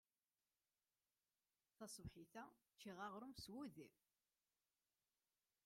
Taṣebḥit-a, cciɣ aɣrum s wudi.